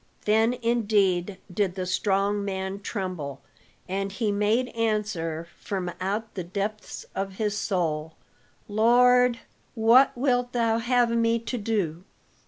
Then indeed did the strong man tremble, and he made answer from out the depths of his soul, "Lord, what wilt thou have me to do?"